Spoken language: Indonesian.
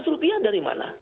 delapan ratus rupiah dari mana